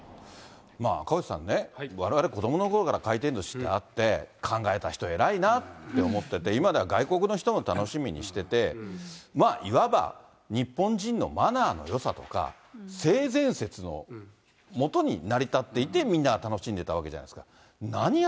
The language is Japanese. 赤星さんね、われわれ子どものころから回転ずしってあって、考えた人、偉いなって思ってて、今では外国の人も楽しみにしていて、まあ、いわば、日本人のマナーのよさとか、性善説の下に成り立っていて、みんなが楽しんでたわけじゃないですか。